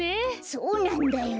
そうなんだよ。